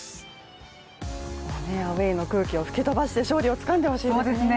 もうアウェーの空気を吹き飛ばして勝利をつかんでほしいですね。